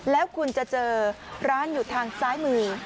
แล้วคุณจะเจอร้านอยู่ทางซ้ายมือ